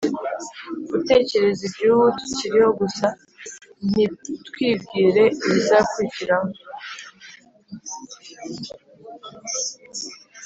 Gutekereza Ibyubu tukiriho gusa ntitwibwire ibizakurikiraho